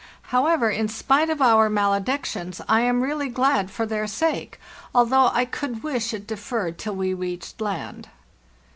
However, in spite of our maledictions, I am really glad for their sake, although I could wish it deferred till we reach land.